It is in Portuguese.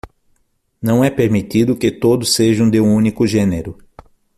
Não é permitido que todos sejam de um único gênero